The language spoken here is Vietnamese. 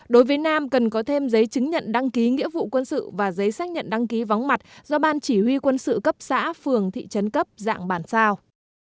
đối với nam cần có thêm giấy chứng nhận đăng ký nghĩa vụ quân sự và giấy xác nhận đăng ký vắng mặt do ban chỉ huy quân sự cấp xã phường thị trấn cấp dạng bản sao